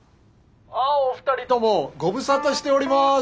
あっお二人ともご無沙汰しております。